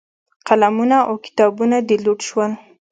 قلمونه او کتابونه دې لوټ شول.